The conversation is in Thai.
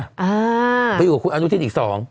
อ่าไปอยู่กับคุณอนุทินอีกสอง